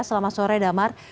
selamat sore damar